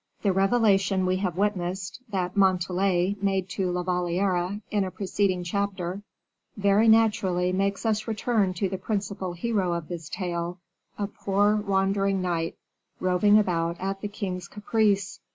The revelation we have witnessed, that Montalais made to La Valliere, in a preceding chapter, very naturally makes us return to the principal hero of this tale, a poor wandering knight, roving about at the king's caprice.